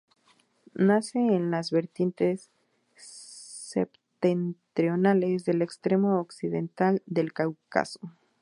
Nace en las vertientes septentrionales del extremo occidental del Cáucaso.